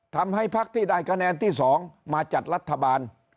ทำให้ภักดิ์ที่ได้คะแนนที่สองมาจัดรัฐบาล